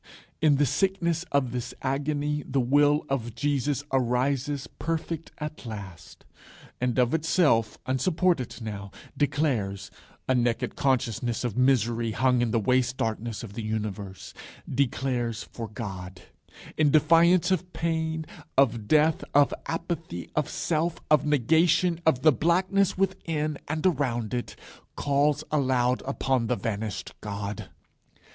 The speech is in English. In the sickness of this agony, the Will of Jesus arises perfect at last; and of itself, unsupported now, declares a naked consciousness of misery hung in the waste darkness of the universe declares for God, in defiance of pain, of death, of apathy, of self, of negation, of the blackness within and around it; calls aloud upon the vanished God.